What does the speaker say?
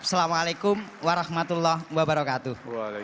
assalamualaikum warahmatullahi wabarakatuh